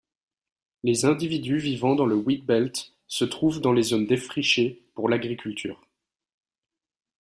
Les individus vivant dans le Wheatbelt se trouvent dans les zones défrichées pour l'agriculture.